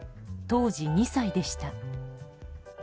当時、２歳でした。